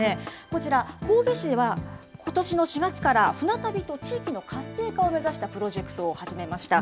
こちら、神戸市はことしの４月から、船旅と地域の活性化を目指したプロジェクトを始めました。